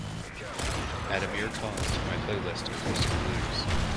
Add Amir Khan to my playlist Acoustic Blues